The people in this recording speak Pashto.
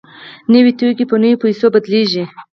نوي توکي په نویو پیسو بدلېږي